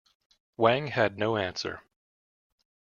Wang had no answer.